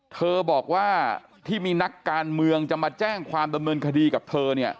เธอบอกว่าที่มีนักการเมืองจะมาแจ้งความดำเนินคดีกับเธอเนี่ย